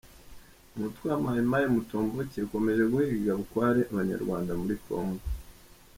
Umutwe wa Mayi mayi Mutomboki ukomeje guhiga bukware Abanyarwanda muri kongo